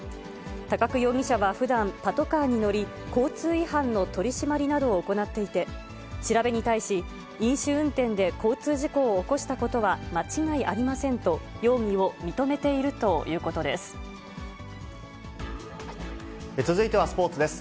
高久容疑者はふだん、パトカーに乗り、交通違反の取締りなどを行っていて、調べに対し、飲酒運転で交通事故を起こしたことは間違いありませんと、容疑を認めているということです。